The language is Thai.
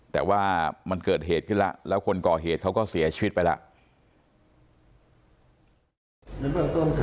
แต่ว่ามันเกิดเหตุขึ้นแล้วแล้วคนก่อเหตุเขาก็เสียชีวิตไปแล้ว